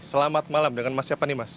selamat malam dengan mas siapa nih mas